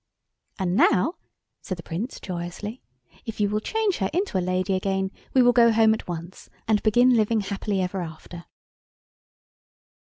"And now," said the Prince joyously, "if you will change her into a lady again we will go home at once and begin living happily ever after."